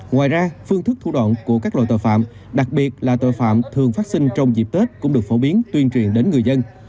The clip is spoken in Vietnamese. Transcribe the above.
ngoài ra phương thức thủ đoạn của các loại tội phạm đặc biệt là tội phạm thường phát sinh trong dịp tết cũng được phổ biến tuyên truyền đến người dân